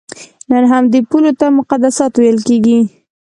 نن همدې پولو ته مقدسات ویل کېږي.